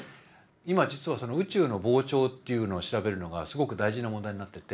今実はその宇宙の膨張っていうのを調べるのがすごく大事な問題になってて。